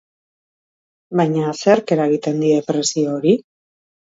Baina zerk eragiten die presio hori?